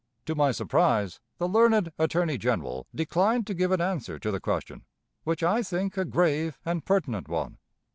To my surprise, the learned Attorney General declined to give an answer to the question, which I think a grave and pertinent one.